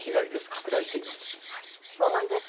拡大しています。